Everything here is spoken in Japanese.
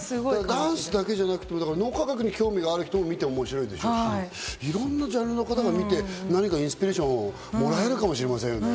ダンスだけじゃなくて脳科学に興味がある人も見ても面白いでしょうし、いろんなジャンルの方が見てインスピレーションをもらえるかもしれませんね。